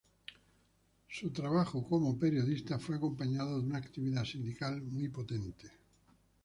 Su trabajo como periodista fue acompañado de una actividad sindical muy potente.